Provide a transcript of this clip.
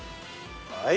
はい。